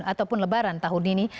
ataupun lebaran tahun ini